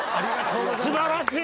素晴らしい！